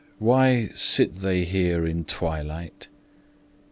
Why sit they here in twilight?